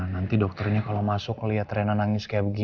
nanti dokternya kalo masuk liat rena nangis kayak begini